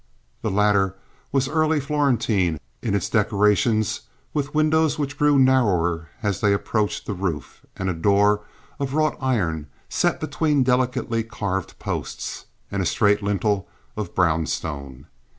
The latter was early Florentine in its decorations with windows which grew narrower as they approached the roof, and a door of wrought iron set between delicately carved posts, and a straight lintel of brownstone.